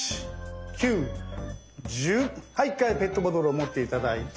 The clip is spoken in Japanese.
はい一回ペットボトルを持って頂いて。